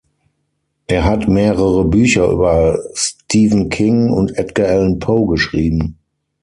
Er hat mehrere Bücher über Stephen King und Edgar Allan Poe geschrieben.